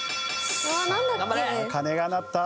さあ鐘が鳴った！